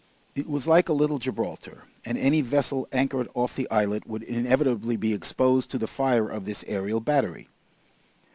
It was like a little Gibraltar, and any vessel anchored off the islet would inevitably be exposed to the fire of this aerial battery.